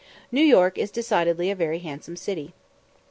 New York is decidedly a very handsome city.